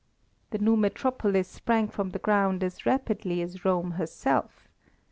The new metropolis sprang from the ground as rapidly as Rome herself.